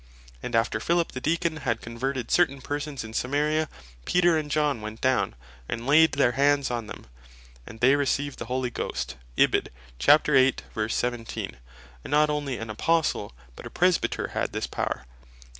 And after Philip the Deacon had converted certain persons in Samaria, Peter and John went down (Act. 8.17.)" and laid their Hands on them, and they received the Holy Ghost." And not only an Apostle, but a Presbyter had this power: For S.